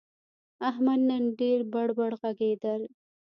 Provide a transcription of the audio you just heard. احمد نن ډېر بړ بړ ږغېدل.